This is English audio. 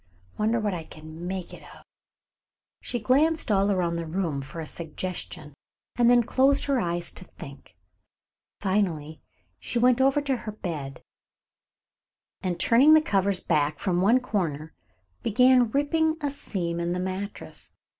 Wonder what I can make it of." She glanced all around the room for a suggestion, and then closed her eyes to think. Finally she went over to her bed, and, turning the covers back from one corner, began ripping a seam in the mattress.